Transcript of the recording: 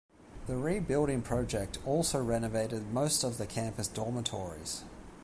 The re-building project also renovated most of the campus dormitories.